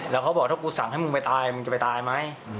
แล้วเขาบอกถ้ากูสั่งให้มึงไปตายมึงจะไปตายไหม